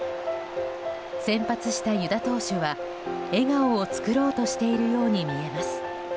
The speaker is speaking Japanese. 先発した湯田投手は笑顔を作ろうとしているように見えます。